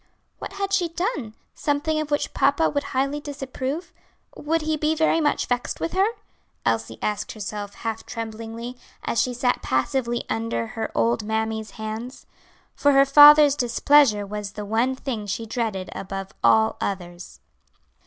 "What had she done something of which papa would highly disapprove? Would he be very much vexed with her?" Elsie asked herself half tremblingly, as she sat passively under her old mammy's hands; for her father's displeasure was the one thing she dreaded above all others.